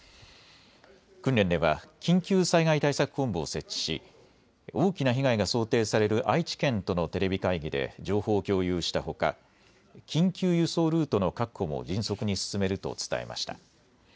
訓練では緊急災害対策本部を設置し、大きな被害が想定される愛知県とのテレビ会議で情報を共有したほか緊急輸送ルートの確保も迅速に進めると伝えました。